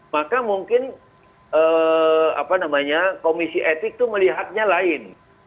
maka mungkin komisi etik itu melihatnya lain